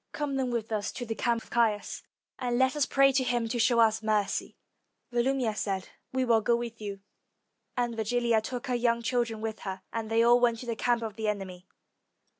Come, then, with us to the camp of Caius, and let us pray to him to show us mercy." Volumnia said, "We will go with you." And Virgilia took her young children with her, and they all went to the camp of the enemy.